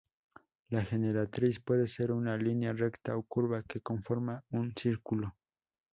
La generatriz puede ser una línea recta o curva que conforma un círculo.